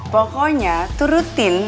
pokoknya itu rutin